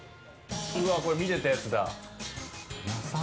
これ見てたやつだ。